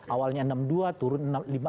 awalnya enam dua turun lima empat